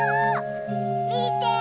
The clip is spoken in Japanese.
みて！